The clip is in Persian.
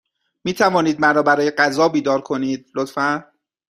می توانید مرا برای غذا بیدار کنید، لطفا؟